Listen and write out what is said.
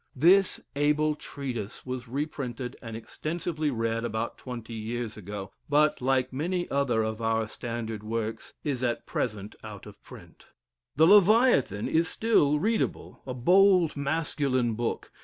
'" This able treatise was reprinted, and extensively read about twenty years ago; but, like many other of our standard works, it is at present out of print. The "Leviathan" is still readable, a bold masculine book.